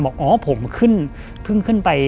บอกอ๋อผมขึ้นขึ้นไป